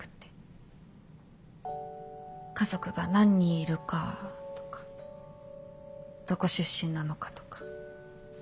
家族が何人いるかとかどこ出身なのかとか。